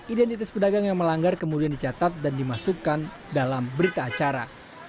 identitas pedagang yang melanggar kemudian dicatat dan dimasukkan dalam berita acara